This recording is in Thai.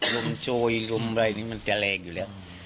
ลมโชยลมอะไรนี่มันจะแรงอยู่แล้ว